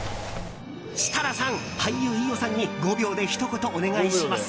設楽さん、俳優・飯尾さんに５秒でひと言お願いします！